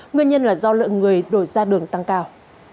nguyên nhân là do lượng người đổi ra đường tăng cao